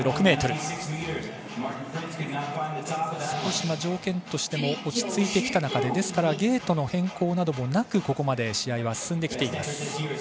少し条件としても落ち着いてきた中でですからゲートの変更などもなく試合はここまで進んでいます。